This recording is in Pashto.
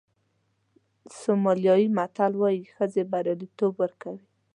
سومالیایي متل وایي ښځې بریالیتوب ورکوي.